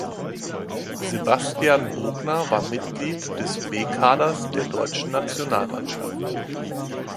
Sebastian Bogner war Mitglied des B-Kaders der deutschen Nationalmannschaft.